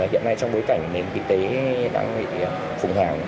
hiện nay trong bối cảnh nền kinh tế đang bị phùng hàng